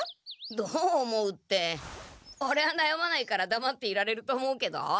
どう思うってオレはなやまないからだまっていられると思うけど。